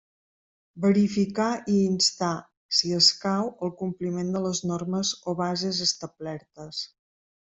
Verificar i instar, si escau, el compliment de les normes o bases establertes.